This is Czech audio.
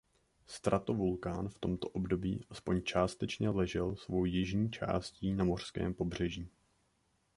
Stratovulkán v tomto období aspoň částečně ležel svou jižní částí na mořském pobřeží.